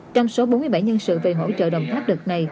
trong số bốn mươi bảy nhân sự về hỗ trợ đồng tháp đợt này